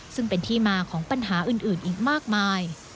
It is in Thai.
ซึ่งเป็นที่มาของปัญหาอื่นอีกมากมาย